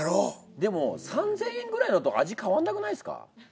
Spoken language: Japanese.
でも３０００円ぐらいのと味変わんなくないですか？